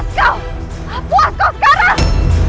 kau puasku sekarang